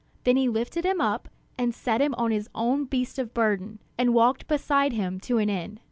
Then he lifted him up, and set him on his own beast of burden, and walked beside him to an inn.